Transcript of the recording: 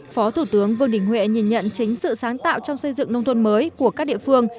phó thủ tướng vương đình huệ nhìn nhận chính sự sáng tạo trong xây dựng nông thôn mới của các địa phương